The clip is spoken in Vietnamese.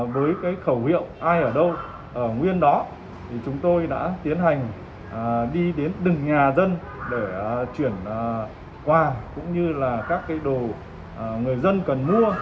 với cái khẩu hiệu ai ở đâu ở nguyên đó chúng tôi đã tiến hành đi đến đừng nhà dân để chuyển qua cũng như là các cái đồ người dân cần mua